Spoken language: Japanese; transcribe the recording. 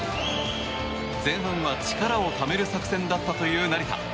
前半は力をためる作戦だったという成田。